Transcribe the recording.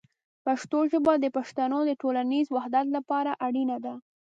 پښتو ژبه د پښتنو د ټولنیز وحدت لپاره اړینه ده.